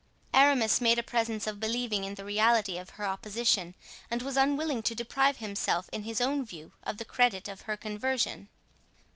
Aramis made a presence of believing in the reality of her opposition and was unwilling to deprive himself in his own view of the credit of her conversion.